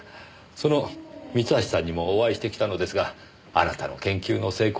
その三橋さんにもお会いしてきたのですがあなたの研究の成功をとても喜んでましたよ。